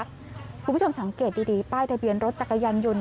คุณผู้ชมสังเกตดีป้ายทะเบียนรถจักรยานยนต์